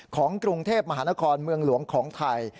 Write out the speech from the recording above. ของกรุงเทพมหานครเมืองหลวงของไทย